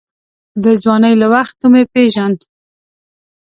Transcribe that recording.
د ځوانۍ له وختو مې پېژاند.